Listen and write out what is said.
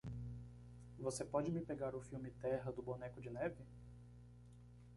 Você pode me pegar o filme Terra do Boneco de Neve?